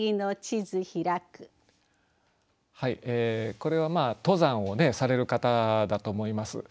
これは登山をされる方だと思います。